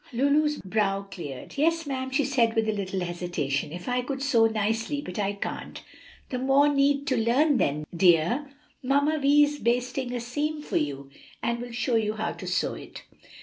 Lulu's brow cleared. "Yes, ma'am," she said with a little hesitation, "if I could sew nicely, but I can't." "The more need to learn then, dear. Mamma Vi is basting a seam for you, and will show you how to sew it."